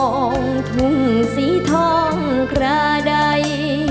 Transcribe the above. ทุ่งทุ่งสีทองกระใด